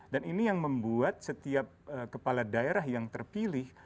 dan ini yang membuat setiap kepala daerah yang terpilih